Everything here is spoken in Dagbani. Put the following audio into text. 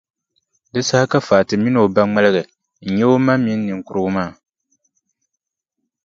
Di saha ka Fati mini o ba ŋmaligi n-nya o ma mini niŋkurugu maa.